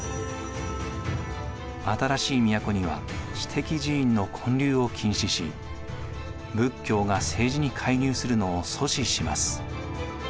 新しい都には私的寺院の建立を禁止し仏教が政治に介入するのを阻止します。